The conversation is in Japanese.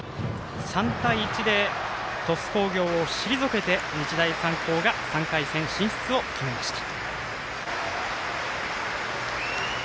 ３対１で鳥栖工業を退けて、日大三高が３回戦進出を決めました。